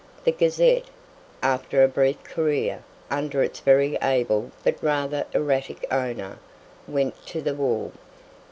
"The Gazette", after a brief career, under its very able but rather erratic owner, went to the wall.